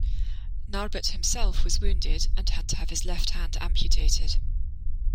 Narbut himself was wounded and had to have his left hand amputated.